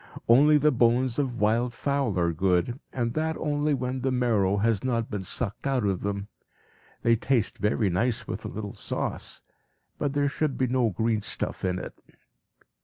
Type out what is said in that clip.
Only the bones of wild fowl are good, and that only when the marrow has not been sucked out of them. They taste very nice with a little sauce, but there should be no green stuff in it.